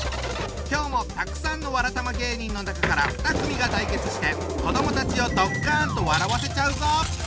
今日もたくさんのわらたま芸人の中から２組が対決して子どもたちをドッカンと笑わせちゃうぞ！